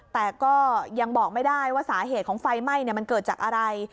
แต่ก็ยังบอกไม่ได้ว่าสาเหตุของไฟไหม้มันเกิดจากอะไร